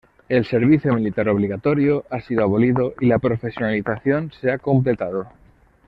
El servicio militar obligatorio ha sido abolido y la profesionalización se ha completado.